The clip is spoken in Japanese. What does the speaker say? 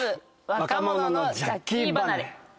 若者の「ジャッキー離れ」ストップ！